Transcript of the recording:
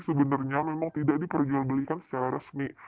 sebenarnya memang tidak diperjualbelikan secara resmi